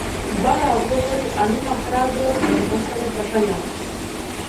Бара одговори, а нема храброст да ги постави прашањата.